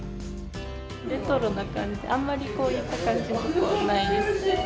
レトロな感じで、あんまりこういった感じのところないです。